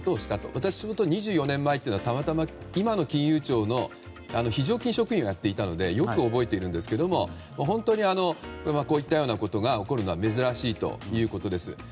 私はちょうど２４年前たまたま今の金融庁の非常勤職員をやっていたのでよく覚えているんですが本当にこういったようなことが起こるのは珍しいということです。